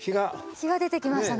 日が出てきましたね。